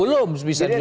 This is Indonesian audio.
belum bisa dijual